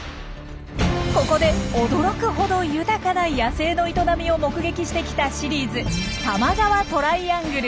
ここで驚くほど豊かな野生の営みを目撃してきたシリーズ「多摩川トライアングル」。